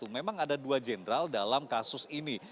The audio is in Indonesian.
memang ada dua jenderal dalam kasus ini